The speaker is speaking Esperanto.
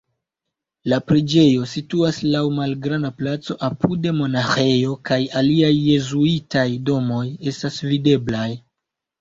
La preĝejo situas laŭ malgranda placo, apude monaĥejo kaj aliaj jezuitaj domoj estas videblaj.